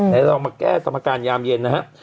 เดี๋ยวเรามาแก้สมการยามเย็นนะฮะ